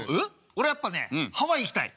俺やっぱねハワイ行きたい。